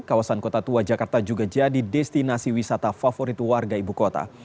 kawasan kota tua jakarta juga jadi destinasi wisata favorit warga ibu kota